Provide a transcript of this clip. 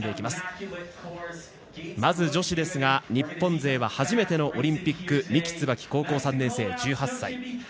まず女子ですが、日本勢は初めてのオリンピック三木つばき、高校３年生、１８歳。